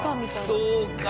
そうか。